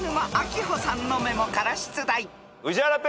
宇治原ペア。